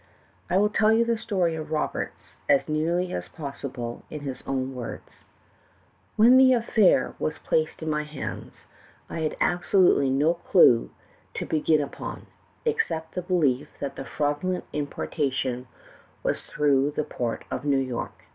I will tell the story of Roberts as nearly as pos sible in his own words : 298 THE TALKING HANDKERCHIEF. "When the affair was placed in my hands, I had absolutely no clue to begin u])on, except the belief that the fraudulent importation was through the port of New York.